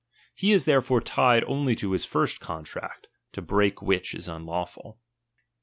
He is there fore tied only to his first contract, to break which is unlawful. 18.